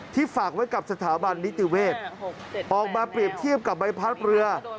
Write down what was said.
ฝากไว้กับสถาบันนิติเวศออกมาเปรียบเทียบกับใบพัดเรือ